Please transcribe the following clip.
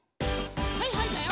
はいはいだよ！